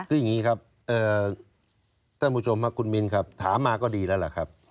คืออย่างนี้ครับท่านผู้ชมครับคุณมินครับถามมาก็ดีแล้วล่ะครับ